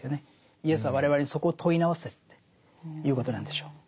イエスは我々にそこを問い直せっていうことなんでしょう。